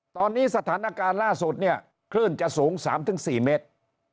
ตอนนี้สถานการณ์ล่าสุดเนี่ยคลื่นจะสูง๓๔เมตร